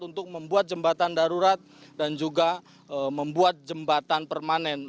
untuk membuat jembatan darurat dan juga membuat jembatan permanen